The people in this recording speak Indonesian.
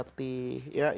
karena dia merasa letih